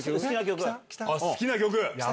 好きな曲？